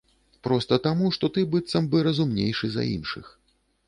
Проста таму, што ты быццам бы разумнейшы за іншых.